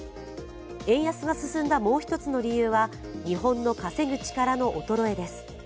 円安が進んだもう一つの理由は日本の稼ぐ力の衰えです。